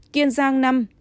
kiên giang năm ca nhiễm